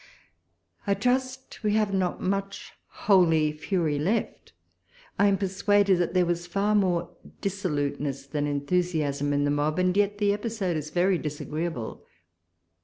I trust we have not much holy fury left ; I am persuaded that there was far more dissoluteness than enthusiasm in the mob : yet the episode is very disagreeable.